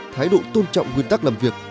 thái độ tôn trọng nguyên tắc làm việc